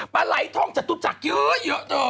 ปะไร้ทองจะดูสักเยอะเธอ